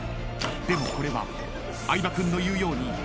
［でもこれは相葉君の言うように］